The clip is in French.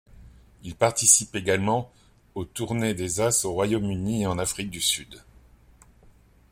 Il participe également aux tournées des ' au Royaume-Uni et en Afrique du Sud.